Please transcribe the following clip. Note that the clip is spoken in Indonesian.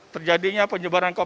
terjadinya penyebaran virus